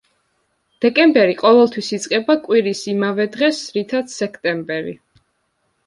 დეკემბერი ყოველთვის იწყება კვირის იმავე დღეს, რითაც სექტემბერი.